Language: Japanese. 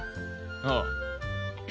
ああ。